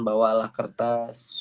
bawa lah kertas